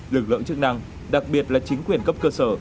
lực lượng chức năng đặc biệt là chính quyền cấp cơ sở